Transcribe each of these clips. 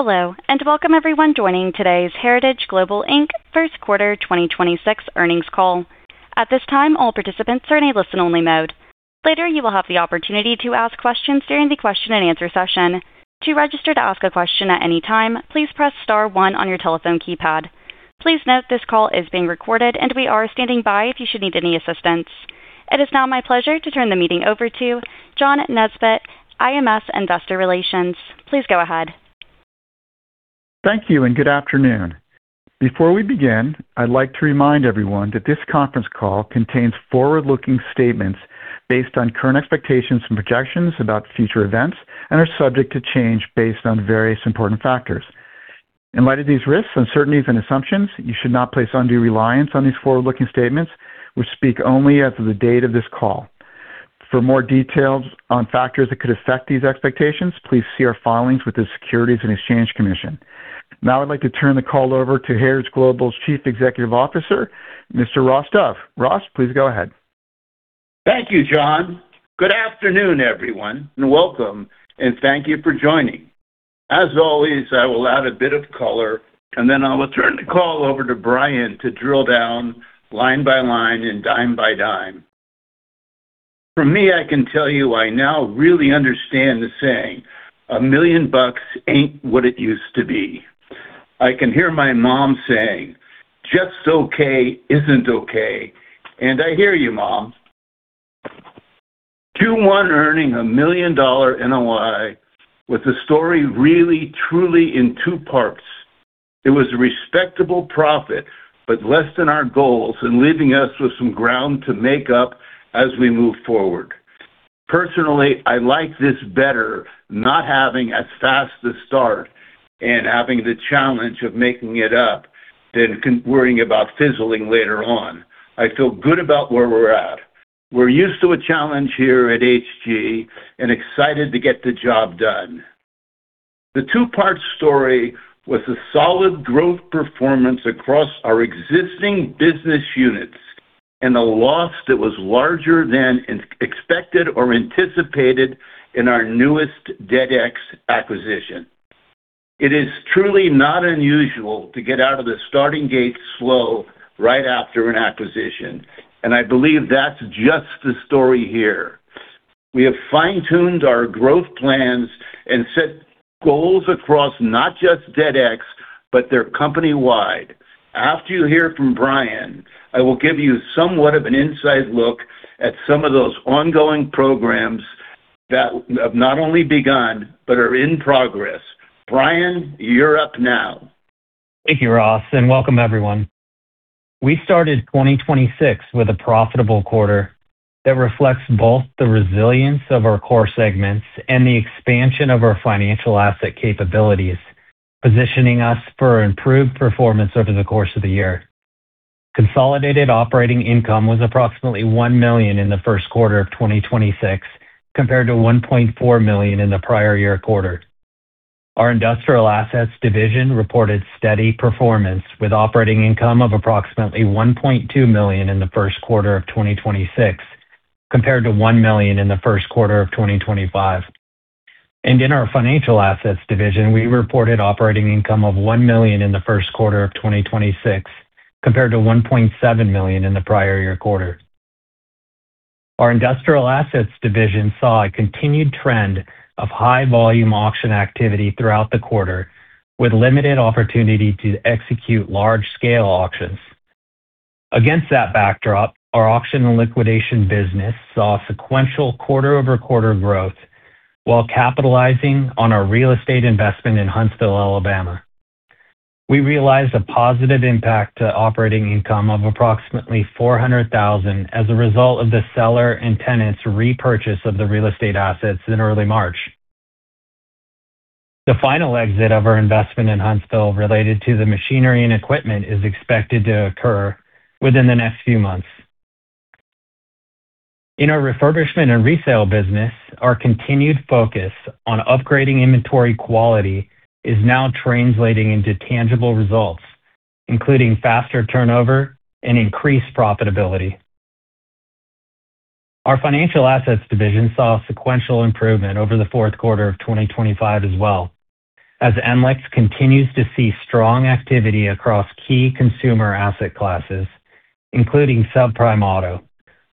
Hello, and welcome everyone joining today's Heritage Global Inc. first quarter 2026 earnings call. At this time, all participants are in a listen-only mode. Later, you will have the opportunity to ask questions during the question-and-answer session. To register to ask a question at any time, please press star one on your telephone keypad. Please note this call is being recorded, and we are standing by if you should need any assistance. It is now my pleasure to turn the meeting over to John Nesbett, IMS Investor Relations. Please go ahead. Thank you and good afternoon. Before we begin, I'd like to remind everyone that this conference call contains forward-looking statements based on current expectations and projections about future events and are subject to change based on various important factors. In light of these risks, uncertainties and assumptions, you should not place undue reliance on these forward-looking statements, which speak only as of the date of this call. For more details on factors that could affect these expectations, please see our filings with the Securities and Exchange Commission. Now I'd like to turn the call over to Heritage Global's Chief Executive Officer, Mr. Ross Dove. Ross, please go ahead. Thank you, John. Good afternoon, everyone, welcome, and thank you for joining. As always, I will add a bit of color, then I will turn the call over to Brian to drill down line by line and dime by dime. For me, I can tell you I now really understand the saying, "A million dollars ain't what it used to be." I can hear my mom saying, "Just okay isn't okay." I hear you, Mom. Q1 earning a million-dollar NOI was a story really, truly in two parts. It was a respectable profit, less than our goals and leaving us with some ground to make up as we move forward. Personally, I like this better, not having as fast a start and having the challenge of making it up than worrying about fizzling later on. I feel good about where we're at. We're used to a challenge here at HG and excited to get the job done. The two-part story was a solid growth performance across our existing business units and a loss that was larger than expected or anticipated in our newest DebtX acquisition. It is truly not unusual to get out of the starting gate slow right after an acquisition, and I believe that's just the story here. We have fine-tuned our growth plans and set goals across not just DebtX, but they're company-wide. After you hear from Brian, I will give you somewhat of an inside look at some of those ongoing programs that have not only begun but are in progress. Brian, you're up now. Thank you, Ross, and welcome, everyone. We started 2026 with a profitable quarter that reflects both the resilience of our core segments and the expansion of our financial asset capabilities, positioning us for improved performance over the course of the year. Consolidated operating income was approximately $1 million in the first quarter of 2026, compared to $1.4 million in the prior year quarter. Our industrial assets division reported steady performance, with operating income of approximately $1.2 million in the first quarter of 2026, compared to $1 million in the first quarter of 2025. In our financial assets division, we reported operating income of $1 million in the first quarter of 2026, compared to $1.7 million in the prior year quarter. Our industrial assets division saw a continued trend of high volume auction activity throughout the quarter, with limited opportunity to execute large-scale auctions. Against that backdrop, our auction and liquidation business saw sequential quarter-over-quarter growth while capitalizing on our real estate investment in Huntsville, Alabama. We realized a positive impact to operating income of approximately $400,000 as a result of the seller and tenant's repurchase of the real estate assets in early March. The final exit of our investment in Huntsville related to the machinery and equipment is expected to occur within the next few months. In our refurbishment and resale business, our continued focus on upgrading inventory quality is now translating into tangible results, including faster turnover and increased profitability. Our financial assets division saw sequential improvement over the fourth quarter of 2025 as well, as NLEX continues to see strong activity across key consumer asset classes, including subprime auto,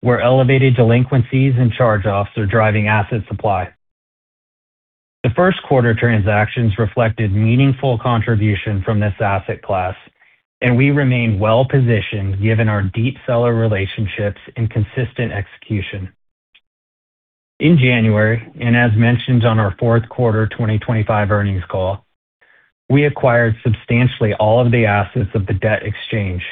where elevated delinquencies and charge-offs are driving asset supply. The first quarter transactions reflected meaningful contribution from this asset class, and we remain well-positioned given our deep seller relationships and consistent execution. In January, as mentioned on our fourth quarter 2025 earnings call, we acquired substantially all of the assets of DebtX,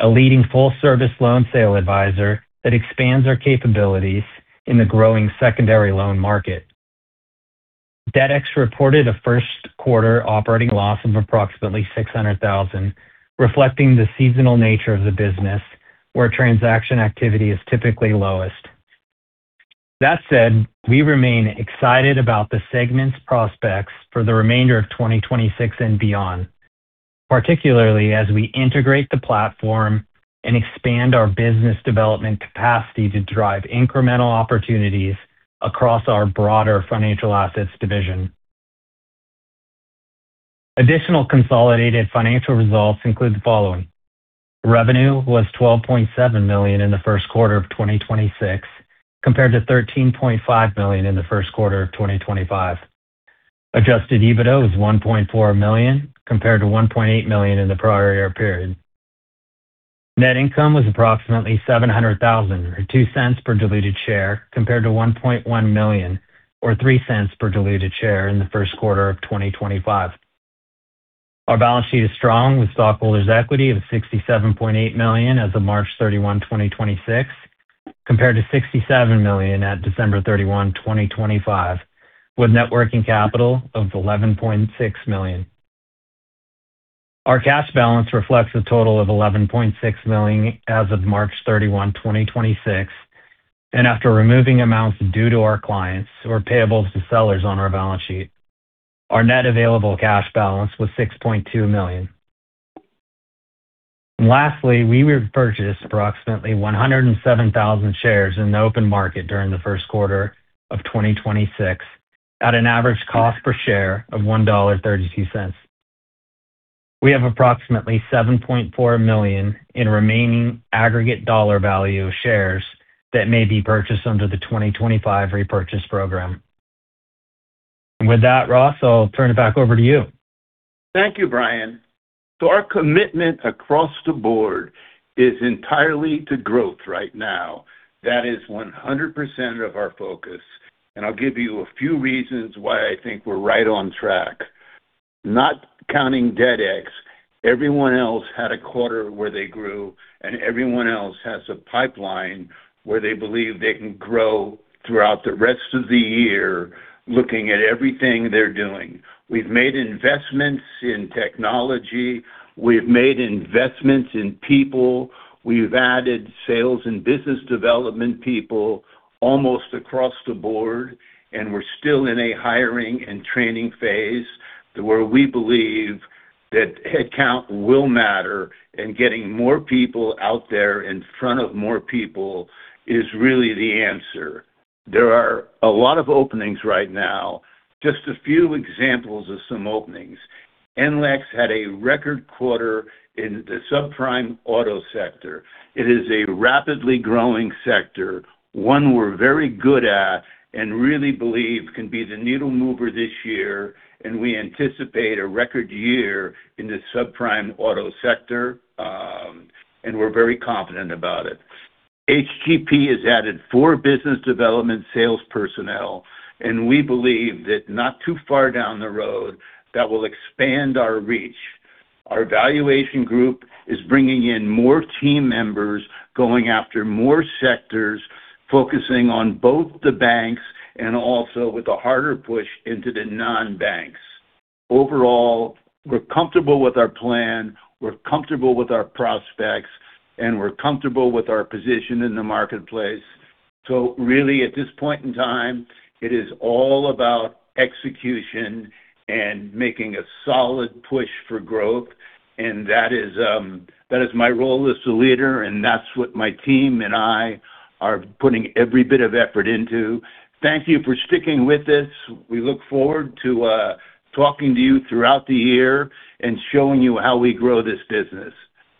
a leading full-service loan sale advisor that expands our capabilities in the growing secondary loan market. DebtX reported a first quarter operating loss of approximately $600,000, reflecting the seasonal nature of the business, where transaction activity is typically lowest. That said, we remain excited about the segment's prospects for the remainder of 2026 and beyond. Particularly as we integrate the platform and expand our business development capacity to drive incremental opportunities across our broader financial assets division. Additional consolidated financial results include the following. Revenue was $12.7 million in the first quarter of 2026, compared to $13.5 million in the first quarter of 2025. Adjusted EBITDA was $1.4 million, compared to $1.8 million in the prior year period. Net income was approximately $700,000, or $0.02 per diluted share, compared to $1.1 million or $0.03 per diluted share in the first quarter of 2025. Our balance sheet is strong, with stockholders' equity of $67.8 million as of March 31, 2026, compared to $67 million at December 31, 2025, with net working capital of $11.6 million. Our cash balance reflects a total of $11.6 million as of March 31, 2026. After removing amounts due to our clients or payables to sellers on our balance sheet, our net available cash balance was $6.2 million. Lastly, we repurchased approximately 107,000 shares in the open market during the first quarter of 2026 at an average cost per share of $1.32. We have approximately $7.4 million in remaining aggregate dollar value shares that may be purchased under the 2025 repurchase program. With that, Ross, I'll turn it back over to you. Thank you, Brian. Our commitment across the board is entirely to growth right now. That is 100% of our focus. I'll give you a few reasons why I think we're right on track. Not counting DebtX, everyone else had a quarter where they grew, and everyone else has a pipeline where they believe they can grow throughout the rest of the year, looking at everything they're doing. We've made investments in technology. We've made investments in people. We've added sales and business development people almost across the board, and we're still in a hiring and training phase where we believe that headcount will matter and getting more people out there in front of more people is really the answer. There are a lot of openings right now. Just a few examples of some openings. NLEX had a record quarter in the subprime auto sector. It is a rapidly growing sector, one we're very good at and really believe can be the needle mover this year. We anticipate a record year in the subprime auto sector, and we're very confident about it. HGP has added four business development sales personnel, and we believe that not too far down the road, that will expand our reach. Our valuation group is bringing in more team members, going after more sectors, focusing on both the banks and also with a harder push into the non-banks. Overall, we're comfortable with our plan, we're comfortable with our prospects, and we're comfortable with our position in the marketplace. Really, at this point in time, it is all about execution and making a solid push for growth. That is my role as the leader, and that's what my team and I are putting every bit of effort into. Thank you for sticking with this. We look forward to talking to you throughout the year and showing you how we grow this business.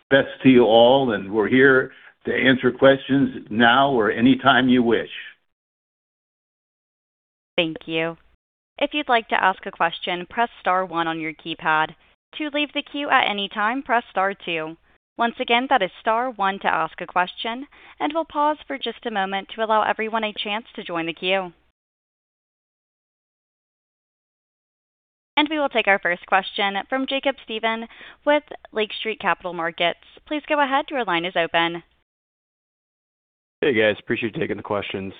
Best to you all. We're here to answer questions now or any time you wish. Thank you. If you'd like to ask a question, press star one on your keypad. To leave the queue at any time, press star two. Once again, that is star one to ask a question. We'll pause for just a moment to allow everyone a chance to join the queue. We will take our first question from Jacob Stephan with Lake Street Capital Markets. Please go ahead. Your line is open. Hey, guys. Appreciate you taking the questions.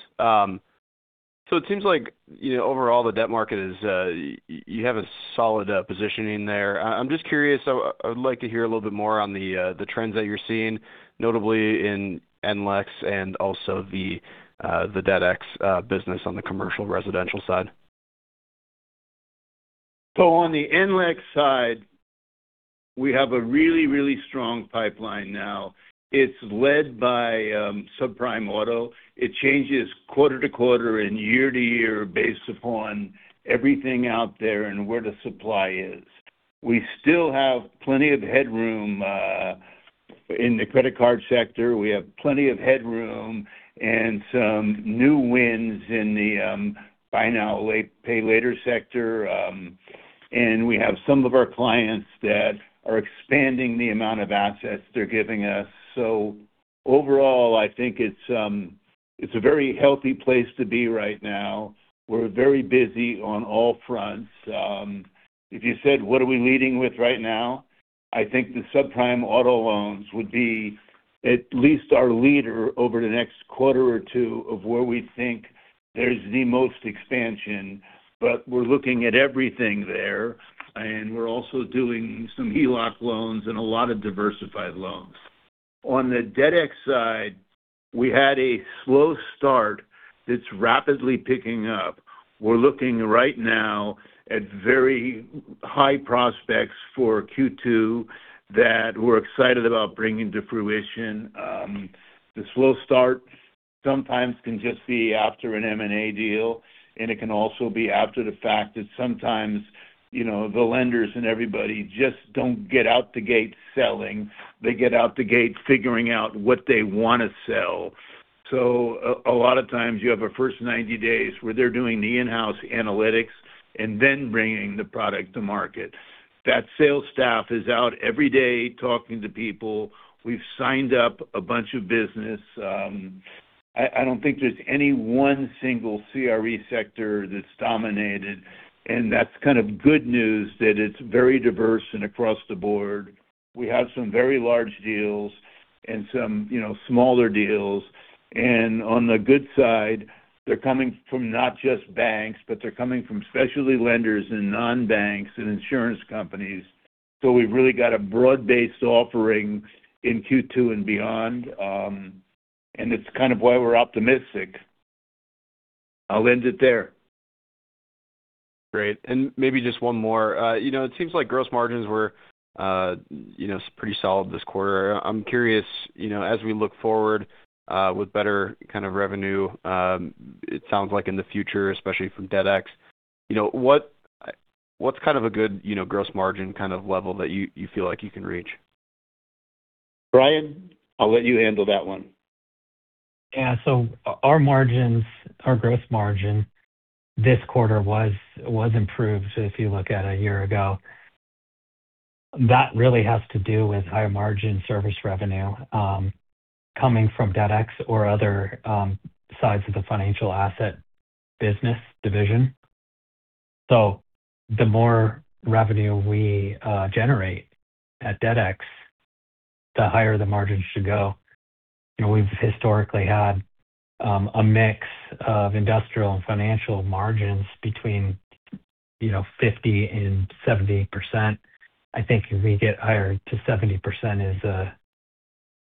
It seems like, you know, overall the debt market is, you have a solid positioning there. I'm just curious. I would like to hear a little bit more on the trends that you're seeing, notably in NLEX and also the DebtX business on the commercial residential side. On the NLEX side, we have a really, really strong pipeline now. It's led by subprime auto. It changes quarter to quarter and year to year based upon everything out there and where the supply is. We still have plenty of headroom in the credit card sector. We have plenty of headroom and some new wins in the buy now, pay later sector. We have some of our clients that are expanding the amount of assets they're giving us. Overall, I think it's a very healthy place to be right now. We're very busy on all fronts. If you said, what are we leading with right now? I think the subprime auto loans would be at least our leader over the next quarter or two of where we think there's the most expansion. we're looking at everything there, and we're also doing some HELOC loans and a lot of diversified loans. On the DebtX side, we had a slow start that's rapidly picking up. We're looking right now at very high prospects for Q2 that we're excited about bringing to fruition. The slow start sometimes can just be after an M&A deal, and it can also be after the fact that sometimes, you know, the lenders and everybody just don't get out the gate selling. They get out the gate figuring out what they wanna sell. A lot of times you have a first 90 days where they're doing the in-house analytics and then bringing the product to market. That sales staff is out every day talking to people. We've signed up a bunch of business. I don't think there's any one single CRE sector that's dominated, and that's kind of good news that it's very diverse and across the board. We have some very large deals and some, you know, smaller deals. On the good side, they're coming from not just banks, but they're coming from specialty lenders and non-banks and insurance companies. We've really got a broad-based offering in Q2 and beyond. It's kind of why we're optimistic. I'll end it there. Great. Maybe just one more. Gross margins were, you know, pretty solid this quarter. I'm curious, you know, as we look forward, with better kind of revenue, it sounds like in the future, especially from DebtX, you know, what's kind of a good, you know, gross margin kind of level that you feel like you can reach? Brian, I'll let you handle that one. Yeah. Our margins, our gross margin this quarter was improved, if you look at a year ago. That really has to do with higher margin service revenue, coming from DebtX or other sides of the financial asset business division. The more revenue we generate at DebtX, the higher the margins should go. You know, we've historically had a mix of industrial and financial margins between, you know, 50% and 70%. I think if we get higher to 70%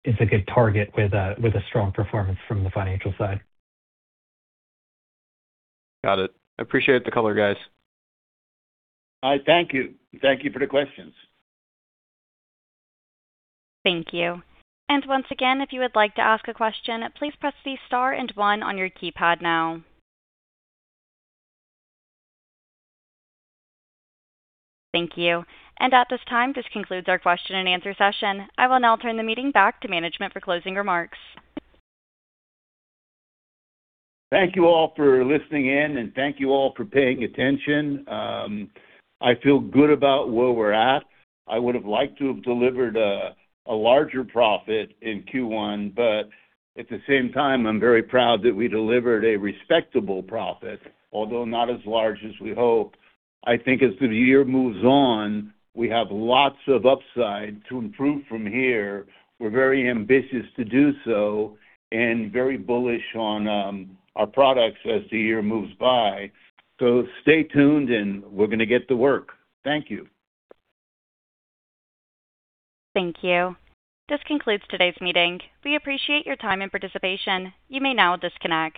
is a good target with a strong performance from the financial side. Got it. I appreciate the color, guys. All right. Thank you. Thank you for the questions. Thank you. Once again, if you would like to ask a question, please press the star and one on your keypad now. Thank you. At this time, this concludes our question and answer session. I will now turn the meeting back to management for closing remarks. Thank you all for listening in, and thank you all for paying attention. I feel good about where we're at. I would have liked to have delivered a larger profit in Q1, but at the same time, I'm very proud that we delivered a respectable profit, although not as large as we hoped. I think as the year moves on, we have lots of upside to improve from here. We're very ambitious to do so and very bullish on our products as the year moves by. Stay tuned, and we're gonna get to work. Thank you. Thank you. This concludes today's meeting. We appreciate your time and participation. You may now disconnect.